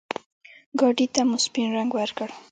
ګاډي ته مو سپين رنګ ورکړ.